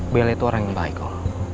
bella itu orang yang baik loh